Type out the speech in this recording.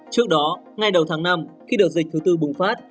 trước đó ngay đầu tháng năm khi đợt dịch thứ tư bùng phát